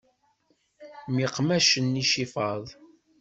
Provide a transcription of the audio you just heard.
Myeqmacen icifaḍ.